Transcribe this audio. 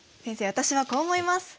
私はこう思います。